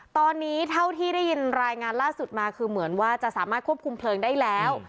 ตอนนี้เท่าที่ได้ยินรายงานล่าสุดมาคือเหมือนว่าจะสามารถควบคุมเพลิงได้แล้ว